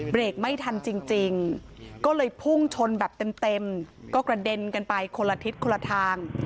เบรกไม่ทันจริงก็เลยพุ่งชนแบบเต็มก็กระเด็นกันไปคนละทิศคนละทาง